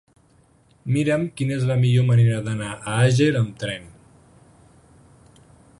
Mira'm quina és la millor manera d'anar a Àger amb tren.